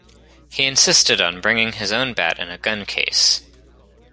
He insisted on bringing his own bat in a gun case.